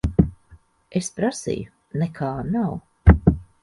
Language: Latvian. Es prasīju. Nekā nav.